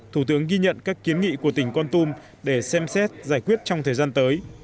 thủ tướng ghi nhận các kiến nghị của tỉnh con tum để xem xét giải quyết trong thời gian tới